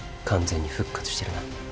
完全に復活してるな。